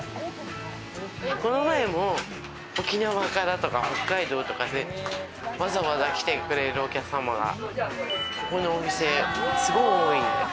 この前も沖縄からとか、北海道からとかわざわざ来てくれるお客様が、ここのお店すごい多いんで。